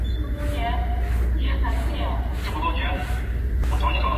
老城雅法门以西的西耶路撒冷则以巴勒斯坦人为主。